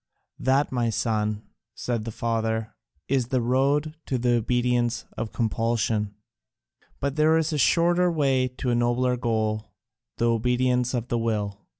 "That, my son," said the father, "is the road to the obedience of compulsion. But there is a shorter way to a nobler goal, the obedience of the will.